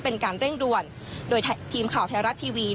เป็นการเร่งด่วนโดยทีมข่าวไทยรัฐทีวี